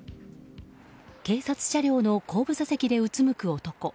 警察車両の後部座席でうつむく男。